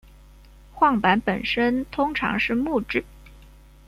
晃板本身通常是木制。